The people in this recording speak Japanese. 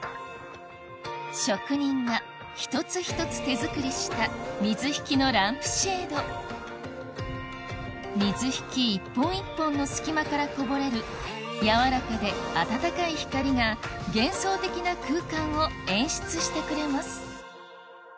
職人が一つ一つ手作りした水引のランプシェード水引一本一本の隙間からこぼれる柔らかで温かい光が幻想的な空間を演出してくれます